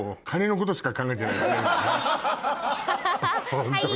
ホントに。